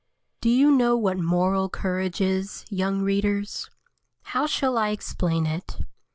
DO you know what "moral courage" is, young readers? How shall I explain it?